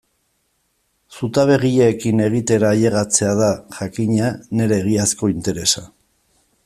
Zutabegileekin egitera ailegatzea da, jakina, nire egiazko interesa.